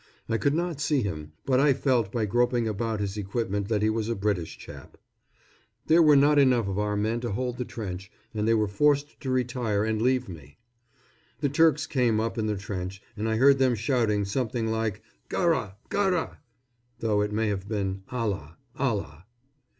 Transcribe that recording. I could not see him, but I felt by groping about his equipment that he was a British chap. There were not enough of our men to hold the trench, and they were forced to retire and leave me. The Turks came up in the trench, and I heard them shouting something like "Garrah! Garrah!" though it may have been "Allah! Allah!"